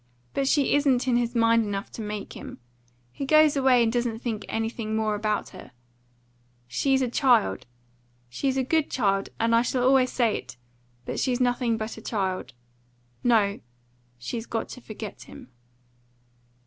"But she isn't in his mind enough to make him. He goes away and doesn't think anything more about her. She's a child. She's a good child, and I shall always say it; but she's nothing but a child. No, she's got to forget him."